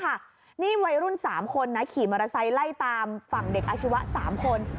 นี่วัยรุ่น๓คนนะขี่มอเตอร์ไซค์ไล่ตามฝั่งเด็กอาชีวะ๓คน